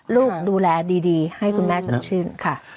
ลูกดูแลดีให้คุณแม่สดชื่นค่ะ